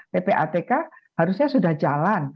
ppatk harusnya sudah jalan